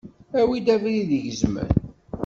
Awi abrid igezmen!